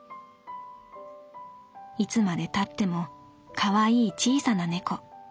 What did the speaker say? いつまで経ってもかわいい小さな猫。